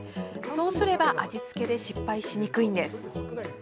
そうすれば味付けで失敗しにくいんです。